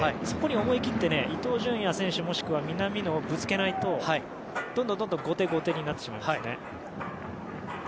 そこに思い切って伊東純也選手もしくは南野をぶつけないとどんどん後手後手になってしまいますね。